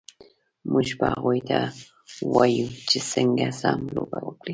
موږ به هغوی ته ووایو چې څنګه سم لوبه وکړي